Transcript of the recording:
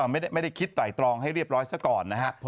ไม่ได้คิดไตรตรองให้เรียบร้อยซะก่อนนะฮะ